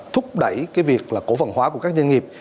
thúc đẩy cái việc là cổ phần hóa của các doanh nghiệp